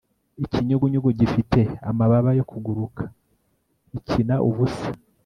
ikinyugunyugu gifite amababa yo kuguruka ikina ubusa